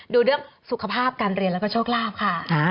ดูเรื่องสุขภาพการเรียนแล้วก็โชคลาภค่ะ